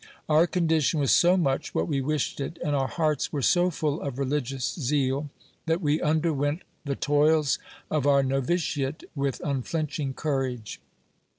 Our condition was so much what we wished it, and our hearts were so full of religious zeal, that we underwent the toils of our noviciate with unflinching courage.